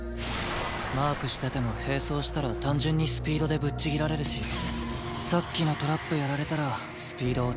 マークしてても並走したら単純にスピードでぶっちぎられるしさっきのトラップやられたらスピード落ちないし。